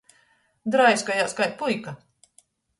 Draiskojās kai puika.